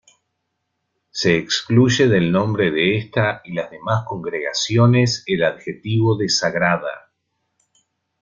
Se excluye del nombre de esta y las demás congregaciones el adjetivo de "Sagrada.